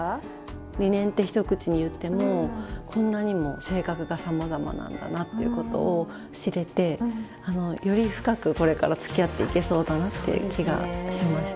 リネンって一口に言ってもこんなにも性格がさまざまなんだなっていうことを知れてより深くこれからつきあっていけそうだなっていう気がしました。